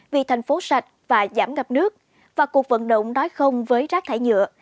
vì thành phố sạch và giảm ngập nước và cuộc vận động nói không với rác thải nhựa